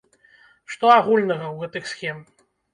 Што агульнага ў гэтых схем?